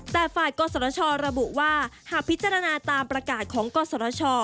แต่ฝ่ายกศชระบุว่าหากพิจารณาตามประกาศของกศช